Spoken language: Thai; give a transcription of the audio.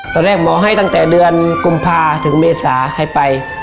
ตอนแรกหมอให้ตั้งแต่เดือนกุมภาถึงเมษาให้ไป